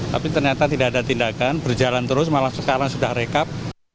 tapi ternyata tidak ada tindakan berjalan terus malah sekarang sudah rekap